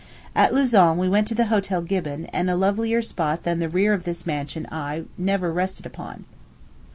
At Lausanne we went to the Hotel Gibbon, and a lovelier spot than the rear of this mansion eye never rested upon.